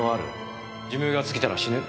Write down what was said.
寿命が尽きたら死ぬ。